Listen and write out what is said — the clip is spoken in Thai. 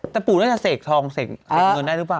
แต่ปู่น่าจะเสกทองเสกเงินได้หรือเปล่า